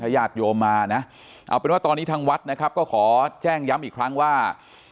ญาติโยมมานะเอาเป็นว่าตอนนี้ทางวัดนะครับก็ขอแจ้งย้ำอีกครั้งว่า